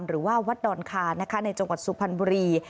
หรือว่าวัดดอนคานะคะในจังหวัดสุพรรณบุรี